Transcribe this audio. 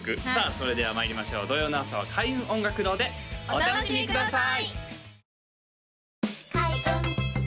それではまいりましょう土曜の朝は開運音楽堂でお楽しみください